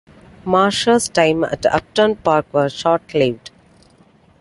Marsh's time at Upton Park was short-lived.